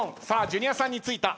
ジュニアさんについた。